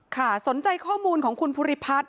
สนใจข้อมูลของคุณภูริพัฒน์